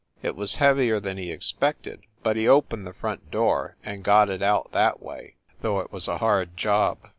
It was heavier than he expected, but he opened the front door and got it out that way, though it was a hard job.